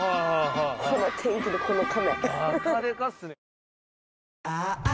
この天気でこの亀。